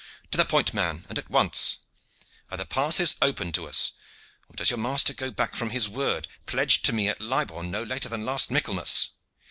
To the point, man, and at once. Are the passes open to us, or does your master go back from his word pledged to me at Libourne no later than last Michaelmas?"